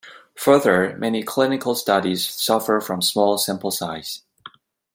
Further, many clinical studies suffer from small sample size.